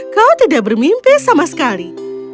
kau tidak bermimpi sama sekali